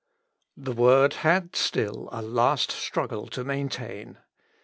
The Word had still a last struggle to maintain.